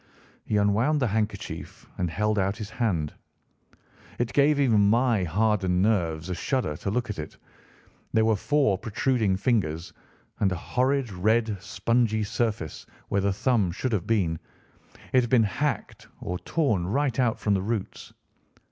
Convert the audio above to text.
He unwound the handkerchief and held out his hand. It gave even my hardened nerves a shudder to look at it. There were four protruding fingers and a horrid red, spongy surface where the thumb should have been. It had been hacked or torn right out from the roots.